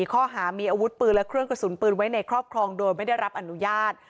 ข้อหามีอาวุธปืนและเครื่องกระสุนปืนไว้ในครอบครองโดยไม่ได้รับอนุญาต